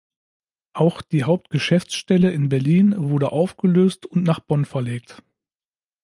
Auch die Hauptgeschäftsstelle in Berlin wurde aufgelöst und nach Bonn verlegt.